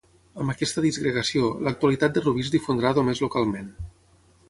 Amb aquesta disgregació, l'actualitat de Rubí es difondrà només localment.